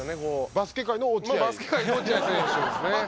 バスケ界の落合選手ですね。